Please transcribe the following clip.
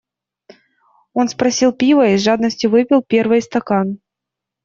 Он спросил пива и с жадностию выпил первый стакан.